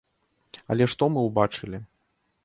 Але што мы ўбачылі?